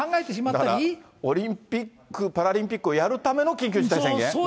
だからオリンピック・パラリンピックをやるための緊急事態宣言に見えちゃう。